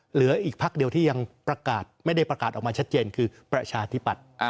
เหลืออีกพักเดียวที่ยังประกาศไม่ได้ประกาศออกมาชัดเจนคือประชาธิปัตย์